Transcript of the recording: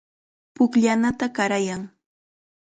Pukllanata qarayan.